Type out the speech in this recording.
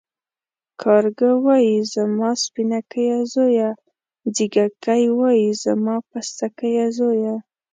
کارگه وايي زما سپينکيه زويه ، ځېږگى وايي زما پستکيه زويه.